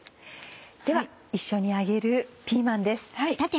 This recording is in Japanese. では一緒に揚げるピーマンです。